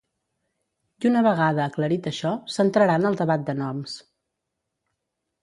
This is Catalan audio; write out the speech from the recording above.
I una vegada aclarit això s’entrarà en el debat de noms.